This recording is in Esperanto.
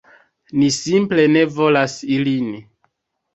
Ni simple ne volas ilin.